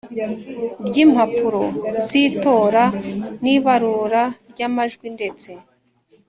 ry impapuro z itora n ibarura ry amajwi ndetse